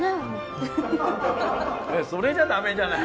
それじゃダメじゃない。